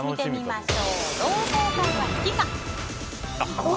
同窓会は好きか。